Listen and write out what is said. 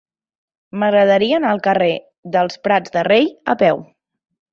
M'agradaria anar al carrer dels Prats de Rei a peu.